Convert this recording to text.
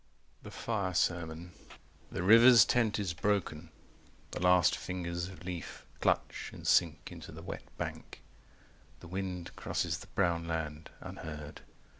III. THE FIRE SERMON The river's tent is broken: the last fingers of leaf Clutch and sink into the wet bank. The wind Crosses the brown land, unheard.